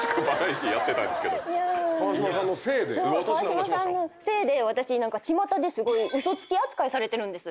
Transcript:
川島さんのせいで私何かちまたですごい嘘つき扱いされてるんです。